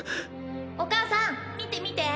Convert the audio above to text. お母さん見て見て